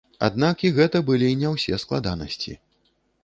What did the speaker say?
Аднак і гэта былі не ўсе складанасці.